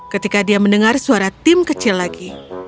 ketika dia mendengar suara tim kecil lagi